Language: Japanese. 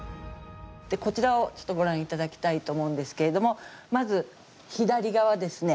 こちらをご覧いただきたいと思うんですけれどもまず左側ですね。